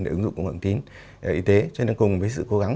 để ứng dụng công nghệ thông tin y tế cho nên cùng với sự cố gắng